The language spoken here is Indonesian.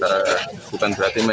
wali kata sedang berhenti